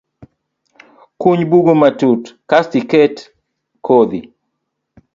Kuny bugo matut kasto iket kodhi